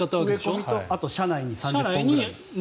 植え込みと車内に３０本くらい。